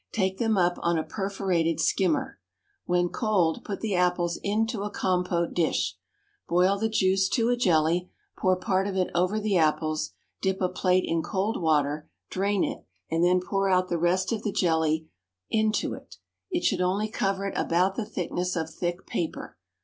Take them up on a perforated skimmer. When cold, put the apples into a compote dish. Boil the juice to a jelly; pour part of it over the apples; dip a plate in cold water, drain it, and then pour out the rest of the jelly into it: it should only cover it about the thickness of thick paper.